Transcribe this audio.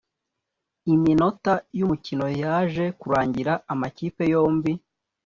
iminota y’umukino yaje kurangira amakipe yombi